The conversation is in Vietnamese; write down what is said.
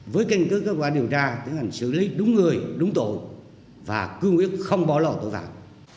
với kênh cơ cơ quan điều tra tức là xử lý đúng người đúng tội và cư nguyện không bỏ lỏ tội phạm